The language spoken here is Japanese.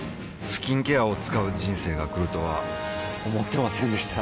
スキンケアを使う人生が来るとは思ってませんでした